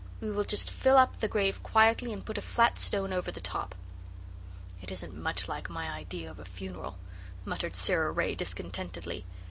We will just fill up the grave quietly and put a flat stone over the top." "It isn't much like my idea of a funeral," muttered Sara Ray discontentedly.